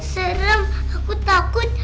serem aku takut